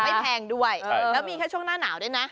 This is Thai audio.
แพงด้วยแล้วมีแค่ช่วงหน้าหนาวด้วยนะ